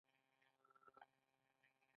دغه کسر باید له طبیعي سرچینو جبران کړي